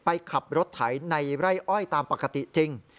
ไปขับรถไถในไร่อ้อยตามปกติจริง